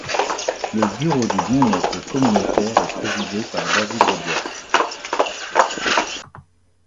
Le Bureau du Bien-être communautaire est présidé par David Rogers.